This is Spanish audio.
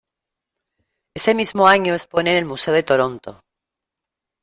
Ese mismo año expone en el Museo de Toronto.